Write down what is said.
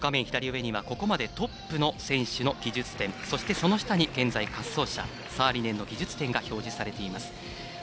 左上にはここまでトップの選手の技術点その下に現在の滑走者サーリネンの技術点が表示されています。